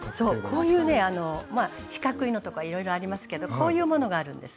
こういうね四角いのとかいろいろありますけどこういうものがあるんです。